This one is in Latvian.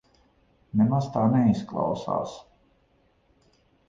Nemaz tā neizklausās.